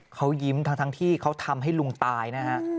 เขายิ้มทั้งที่เขาทำให้ลุงตายนะฮะ